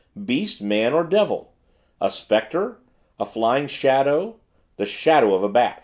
Beast, man, or devil? A specter a flying shadow the shadow of a Bat.